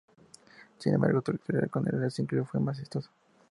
Sin embargo, su trayectoria con el Racing Club fue más exitosa.